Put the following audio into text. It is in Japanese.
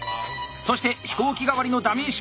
そして飛行機代わりのダミーシップ。